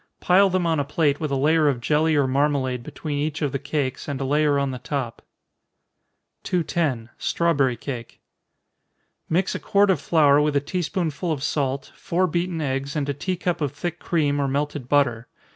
Pile them on a plate with a layer of jelly or marmalade between each of the cakes, and a layer on the top. 210. Strawberry Cake. Mix a quart of flour with a tea spoonful of salt, four beaten eggs, and a tea cup of thick cream, or melted butter.